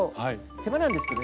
手間なんですけどね